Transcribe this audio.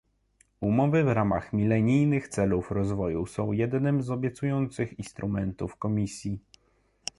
Umowy w ramach milenijnych celów rozwoju są jednym z obiecujących instrumentów Komisji